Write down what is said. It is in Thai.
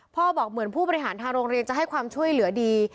บอกเหมือนผู้บริหารทางโรงเรียนจะให้ความช่วยเหลือดี